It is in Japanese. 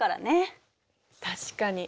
確かに。